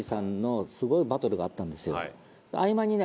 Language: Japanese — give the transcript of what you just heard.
合間にね